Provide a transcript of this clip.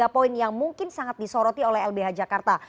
tiga poin yang mungkin sangat disoroti oleh lbh jakarta